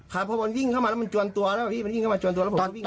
ครับพอมันวิ่งเข้ามาแล้วมันจวนตัวแล้วพี่มันวิ่งเข้ามาจวนตัวแล้วผมวิ่ง